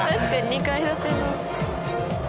２階建ての。